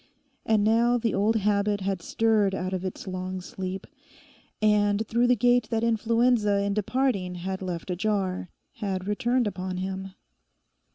And now the old habit had stirred out of its long sleep, and, through the gate that Influenza in departing had left ajar, had returned upon him.